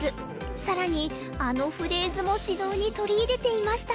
更にあのフレーズも指導に取り入れていました。